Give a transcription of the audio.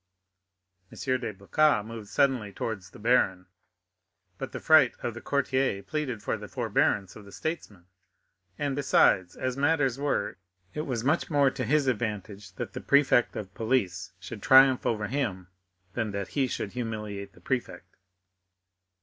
M. de Blacas moved suddenly towards the baron, but the fright of the courtier pleaded for the forbearance of the statesman; and besides, as matters were, it was much more to his advantage that the prefect of police should triumph over him than that he should humiliate the prefect.